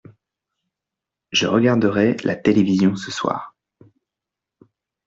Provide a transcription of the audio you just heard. Je regarderai la télévision ce soir.